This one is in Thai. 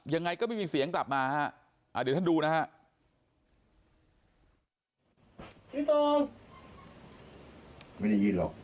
ยังไงก็ไม่มีเสียงกลับมาฮะเดี๋ยวท่านดูนะฮะ